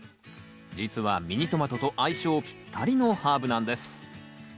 実はミニトマトと相性ぴったりのハーブなんです！